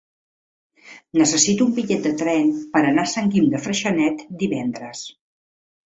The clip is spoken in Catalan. Necessito un bitllet de tren per anar a Sant Guim de Freixenet divendres.